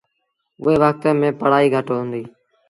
اُئي وکت ميݩ پڙهآئيٚ گھٽ هُݩديٚ۔